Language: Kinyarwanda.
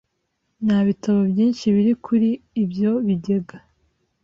Nta bitabo byinshi biri kuri ibyo bigega.